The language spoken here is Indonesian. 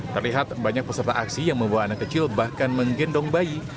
terlihat banyak peserta aksi yang membawa anak kecil bahkan menggendong bayi